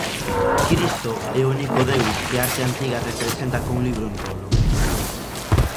Cristo é o único deus que a arte antiga representa cun libro en rolo...